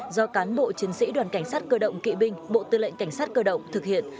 do cán bộ chiến sĩ đoàn cảnh sát cơ động kỵ binh bộ tư lệnh cảnh sát cơ động thực hiện